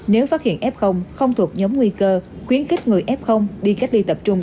nếu phát hiện f không thuộc nhóm nguy cơ khuyến khích người f đi cách ly tập trung